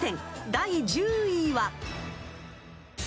［第１０位は？］